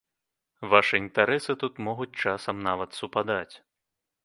Вашы інтарэсы тут могуць часам нават супадаць.